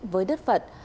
với đất phật